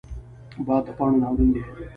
باد د پاڼو ناورین دی